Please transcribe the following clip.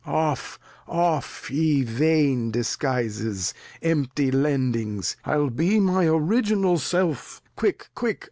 Off, off, ye vain Disguises, empty Tendings, I'll be my Original Self, quick, quick.